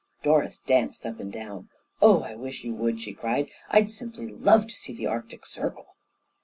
Doris danced up and down. "Oh, I wish you would!" she cried. "I'd simply love to see the Arctic Circle!"